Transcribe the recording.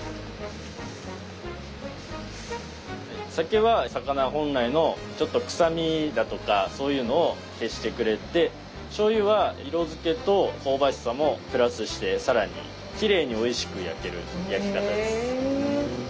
酒は魚本来のくさみだとかそういうのを消してくれてしょうゆは色づけと香ばしさもプラスして更にきれいにおいしく焼ける焼き方です。